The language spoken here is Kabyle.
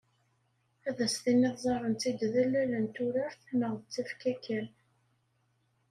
Ad as-tiniḍ ẓẓaren-tt-id d allal n turart neɣ d tafekka kan.